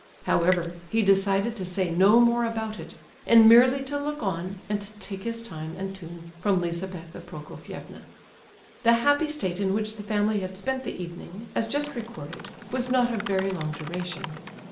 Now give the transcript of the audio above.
However, he decided to say no more about it, and merely to look on, and take his time and tune from Lizabetha Prokofievna. The happy state in which the family had spent the evening, as just recorded, was not of very long duration.